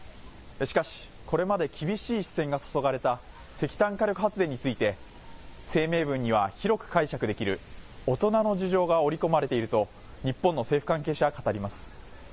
しかし、これまで厳しい視線が注がれた石炭火力発電について、声明文には広く解釈できる、大人の事情が織り込まれていると、日本の政府関係者は語ります。